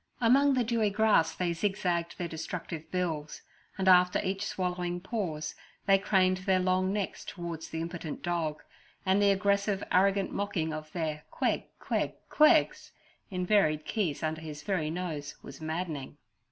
Among the dewy grass they zigzagged their destructive bills, and after each swallowing pause they craned their long necks towards the impotent dog, and the aggressive, arrogant mocking of their 'Queg, queg, quegs!' in varied keys under his very nose was maddening.